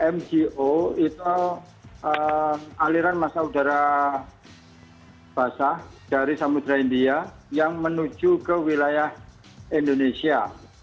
mgo itu aliran masa udara basah dari samudera india yang menuju ke wilayah indonesia